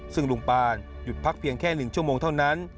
ซึ่งลุงปานหยุดพักเพียงแค่๑ชั่วโมงเท่านั้น